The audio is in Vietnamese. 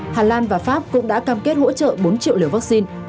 hà lan và pháp cũng đã cam kết hỗ trợ bốn triệu liều vaccine